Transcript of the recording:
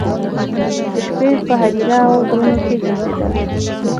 د شپې په هدیرو او غرونو کې ګرځېدل.